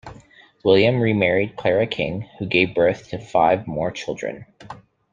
William remarried Clara King who gave birth to five more children.